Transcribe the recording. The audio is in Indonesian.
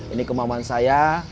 ini kemampuan saya